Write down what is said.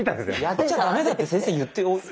やっちゃダメだって先生言って。